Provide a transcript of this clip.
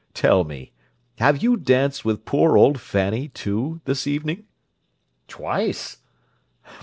Tell me, have you danced with poor old Fanny, too, this evening?" "Twice!"